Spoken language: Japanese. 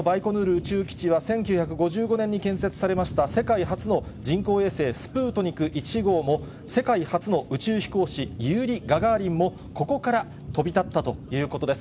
宇宙基地は１９５５年に建設されました、世界初の人工衛星スプートニク１号も、世界初の宇宙飛行士、ユーリ・ガガーリンも、ここから飛び立ったということです。